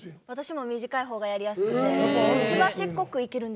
私は短いほうがやりやすくて。